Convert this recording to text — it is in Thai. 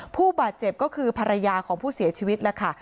ผู้บาดเจ็บก็คือภรรยาของผู้เสียชีวิตแล้วค่ะ